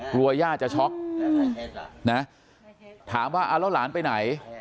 กลัวว่าย่าจะช็อคนะถามว่าแล้วหลานไปไหน